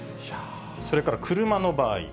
それから車の場合。